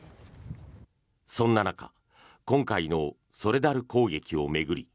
そんな中今回のソレダル攻撃を巡り